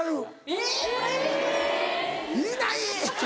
「いない！」。